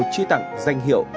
chí tặng danh hiệu